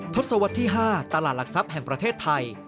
ทศวรรษที่๕ตลาดหลักทรัพย์แห่งประเทศไทย